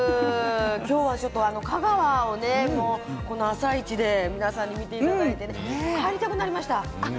今日は香川を「あさイチ」で皆さんに見ていただいて帰りたくなりました。